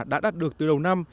đã đạt được từ đầu năm